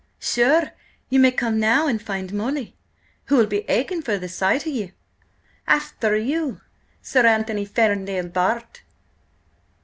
"Sure, ye may come now and find Molly, who'll be aching for the sight of you. Afther you, Sir Anthony Ferndale, Bart.!"